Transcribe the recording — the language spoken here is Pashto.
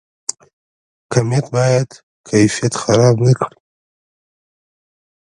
کمیت باید کیفیت خراب نکړي؟